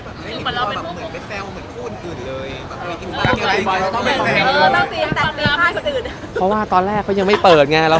อย่างนึกว่าแบบเหมือนไม่แซวเหมือนคนอื่นเลยเพราะว่าตอนแรกเขายังไม่เปิดไงเรา